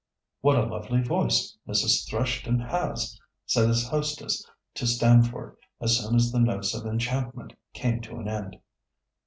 "What a lovely voice Mrs. Thrushton has!" said his hostess to Stamford, as soon as the notes of enchantment came to an end.